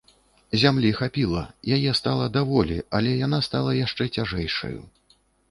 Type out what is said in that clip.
Зямлі хапіла, яе стала даволі, але яна стала яшчэ цяжэйшаю.